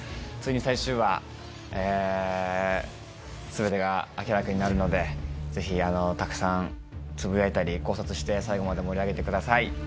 ついに最終話全てが明らかになるのでぜひたくさんつぶやいたり考察して最後まで盛り上げてください。